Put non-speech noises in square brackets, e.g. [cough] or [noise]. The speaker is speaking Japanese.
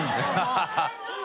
ハハハ [laughs]